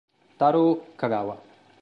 Tarō Kagawa